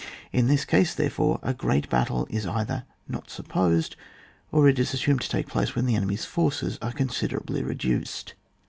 In this case, therefore, a great battle is either not supposed, or it is assumed to take place when the enemy's forces are considerably reduced.